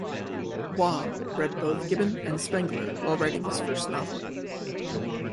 Waugh read both Gibbon and Spengler while writing his first novel.